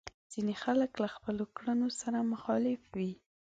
ځينې خلک له خپلو کړنو سره مخالف وي.